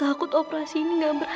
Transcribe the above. aku takut operasi ini gak berhasil